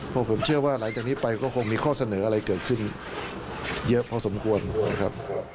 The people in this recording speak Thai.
เพราะผมเชื่อว่าหลังจากนี้ไปก็คงมีข้อเสนออะไรเกิดขึ้นเยอะพอสมควรนะครับ